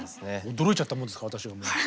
驚いちゃったもんですから私がもう。